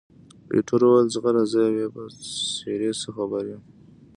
ایټور وویل، ځغله! زه یې بیا په څېرې څه خبر یم؟